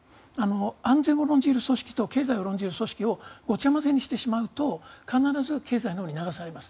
安全を論じる組織と経済を論じる組織をごちゃ混ぜにしてしまうと必ず経済のほうに流されます。